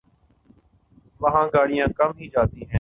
وہاں گاڑیاں کم ہی جاتی ہیں ۔